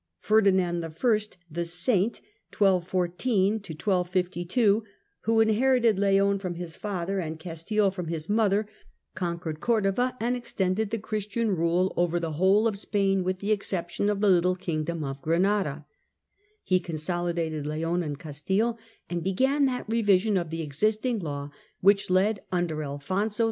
Ferdinand I., the " Saint," who inherited Leon from his father and Castile from his mother, conquered Cordova Ferdinand and extended the Christian rule over the whole of Spain, the, th? with the exception of the little kingdom of Granada. He 12U 1252 consolidated Leon and Castile, and began that revision of the existing law which led, under Alfonso X.